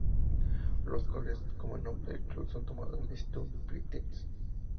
Los colores, como el nombre del club, son tomados del stud Platense.